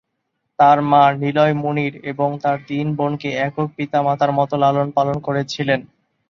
তার মা নীলম মুনির এবং তার তিন বোনকে একক পিতা-মাতার মতো লালন-পালন করেছিলেন।